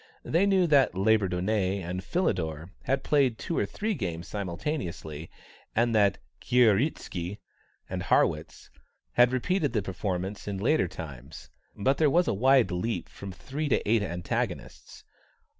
They knew that Labourdonnais and Philidor had played two or three games simultaneously, and that Kieseritzky and Harrwitz had repeated the performance in later times, but there was a wide leap from three to eight antagonists.